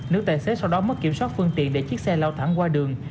nữ tài xế sau đó mất kiểm soát phương tiện để chiếc xe lao thẳng qua đường